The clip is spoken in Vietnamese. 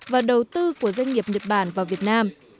và đầu tư của doanh nghiệp nhật bản vào việt nam